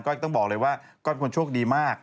ต้องบอกเลยว่าก้อยเป็นคนโชคดีมาก